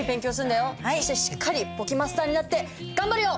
そしてしっかり簿記マスターになって頑張るよ！